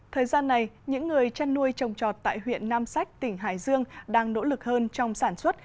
thời gian này những người chăn nuôi trồng trọt tại huyện nam sách tỉnh hải dương đang nỗ lực hơn trong sản xuất